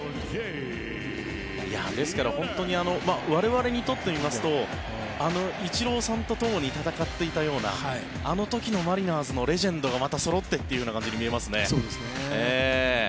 ですから本当に我々にとってみますとイチローさんとともに戦っていたようなあの時のマリナーズのレジェンドがまたそろってというのが見えますね。